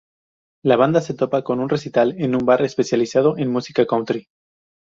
La banda se topa con un recital en un bar especializado en música country.